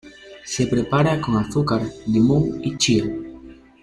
Se prepara con azúcar, limón y chía.